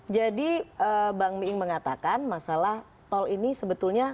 jadi bang mi ing mengatakan masalah tol ini sebetulnya